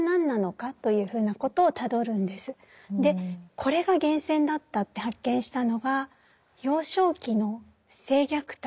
これが源泉だったって発見したのが幼少期の性虐待。